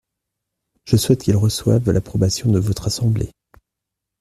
Je souhaite qu’il reçoive l’approbation de votre assemblée.